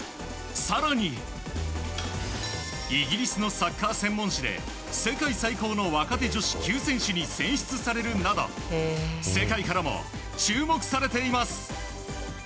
更にイギリスのサッカー専門誌で世界最高の若手女子９選手に選出されるなど世界からも注目されています。